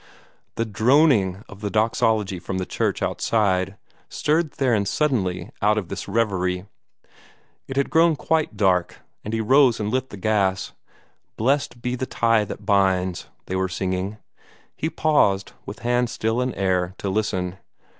The droning of the Doxology from the church outside stirred Theron suddenly out of his revery. It had grown quite dark, and he rose and lit the gas. "Blest be the Tie that Binds," they were singing. He paused, with hand still in air, to listen.